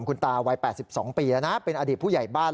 คุณตาวัย๘๒ปีแล้วนะเป็นอดีตผู้ใหญ่บ้าน